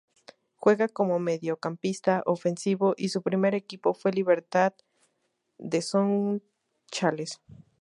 Juega como mediocampista ofensivo y su primer equipo fue Libertad de Sunchales.